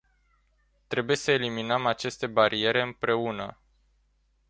Trebuie să eliminăm aceste bariere împreună.